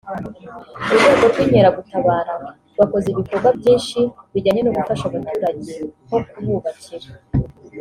urwego rw’Inkeragutabara rwakoze ibikorwa byinshi bijyanye no gufasha abaturage nko kububakira